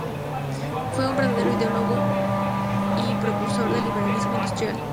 Fue un verdadero ideólogo y precursor del liberalismo industrial.